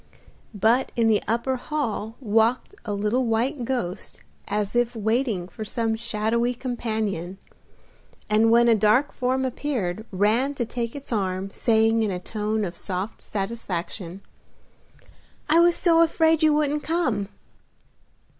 But in the upper hall walked a little white ghost as if waiting for some shadowy companion, and when a dark form appeared ran to take its arm, saying, in a tone of soft satisfaction, "I was so afraid you wouldn't come!"